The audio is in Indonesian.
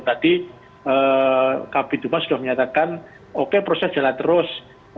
tadi kb duma sudah menyatakan oke proses jalan terus